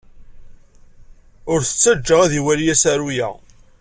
Ur t-ttajja ad iwali asaru-a.